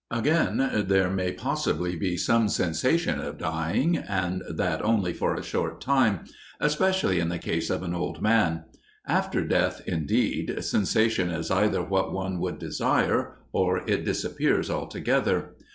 Again, there may possibly be some sensation of dying and that only for a short time, especially in the case of an old man: after death, indeed, sensation is either what one would desire, or it disappears altogether.